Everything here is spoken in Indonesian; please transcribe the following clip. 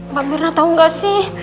mbak mir enggak tahu enggak sih